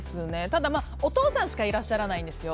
ただ、お父さんしかいらっしゃらないんですよ。